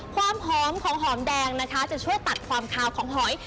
ความหอมของหอมแดงนะคะจะช่วยตัดความคาวของหอย